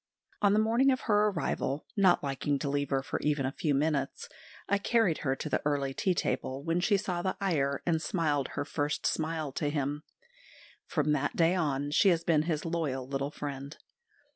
On the morning of her arrival, not liking to leave her even for a few minutes, I carried her to the early tea table, when she saw the Iyer and smiled her first smile to him. From that day on she has been his loyal little friend.